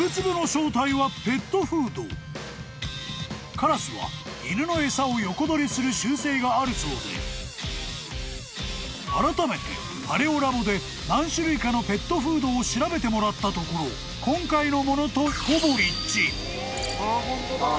［カラスは犬の餌を横取りする習性があるそうであらためてパレオ・ラボで何種類かのペットフードを調べてもらったところ今回のものと］